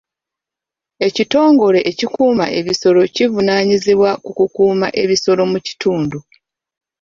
Ekitongole ekikuuma ebisolo kivunaanyizibwa ku kukuuma ebisolo mu kitundu.